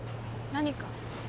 何か？